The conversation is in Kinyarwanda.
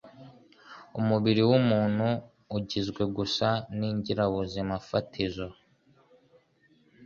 Umubiri wumuntu ugizwe gusa ningirabuzimafatizo.